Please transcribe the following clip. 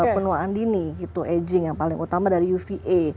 penuaan dini itu aging yang paling utama dari uva